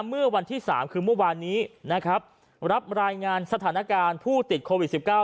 เมื่อวันที่๓คือเมื่อวานนี้นะครับรับรายงานสถานการณ์ผู้ติดโควิด๑๙